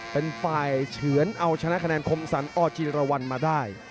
เป็นฝ่ายเฉือนเอาชนะคะแนนคมสรรอจิรวรรณมาได้